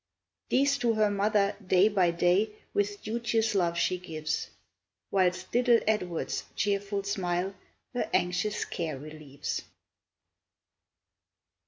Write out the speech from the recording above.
These to her mother, day by day, With duteous love she gives, Whilst little Edward's cheerful smile, Her anxious care relieves.